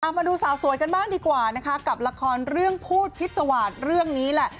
มาดูสาวสวยกันบ้างดีกว่านะคะกับละครเรื่องพูดพิษวาสตร์เรื่องนี้แหละ